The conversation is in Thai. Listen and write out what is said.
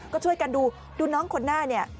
ก็ช่วยกันดูดูน้องคนหน้าเนี่ย